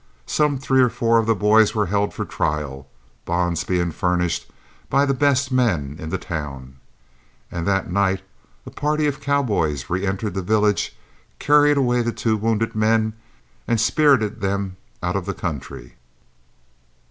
Some three or four of the boys were held for trial, bonds being furnished by the best men in the town, and that night a party of cowboys reëntered the village, carried away the two wounded men and spirited them out of the country.